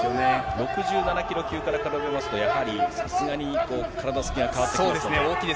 ６７キロ級から比べますと、やはり、さすがに体つきが変わってきますので。